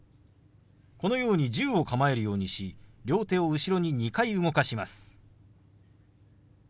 このように銃を構えるようにし両手を後ろに２回動かします。